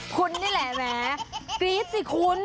คุณนี่แหละแหมกรี๊ดสิคุณ